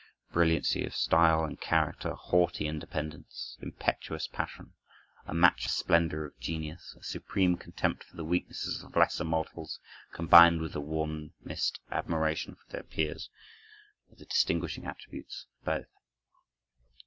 Brilliancy of style and character, haughty independence, impetuous passion, a matchless splendor of genius, a supreme contempt for the weaknesses of lesser mortals, combined with the warmest admiration for their peers, are the distinguishing attributes of both.